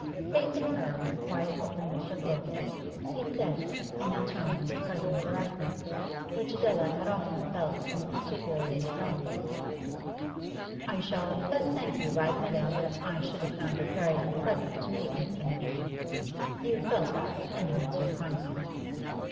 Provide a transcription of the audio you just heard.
Facing her with a quiet openness of look, he said, in a tone of pleasant directness which Adela had often felt to be peculiarly his own 'I shall best thank you by admitting that I should have found it very unpleasant to meet Mr. Mutimer. You felt that, and hence your kindness.